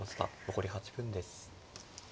残り８分です。